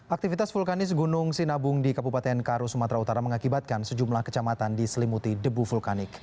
aktivitas vulkanis gunung sinabung di kabupaten karo sumatera utara mengakibatkan sejumlah kecamatan diselimuti debu vulkanik